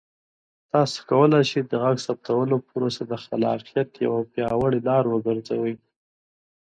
تاسو کولی شئ د غږ ثبتولو پروسه د خلاقیت یوه پیاوړې لاره وګرځوئ.